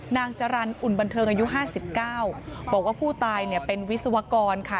นางจรรย์อุ่นบันเทิงอายุ๕๙บอกว่าผู้ตายเนี่ยเป็นวิศวกรค่ะ